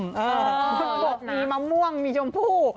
มีมะม่วงมีชมพู